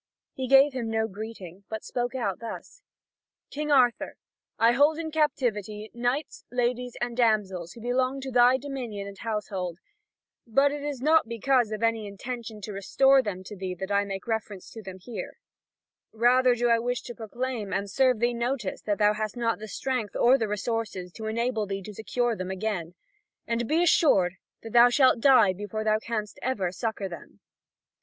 He gave him no greeting, but spoke out thus: "King Arthur, I hold in captivity knights, ladies, and damsels who belong to thy dominion and household; but it is not because of any intention to restore them to thee that I make reference to them here; rather do I wish to proclaim and serve thee notice that thou hast not the strength or the resources to enable thee to secure them again. And be assured that thou shalt die before thou canst ever succour them."